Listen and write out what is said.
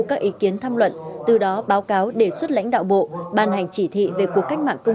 các ý kiến thăm luận từ đó báo cáo đề xuất lãnh đạo bộ ban hành chỉ thị về cuộc cách mạng công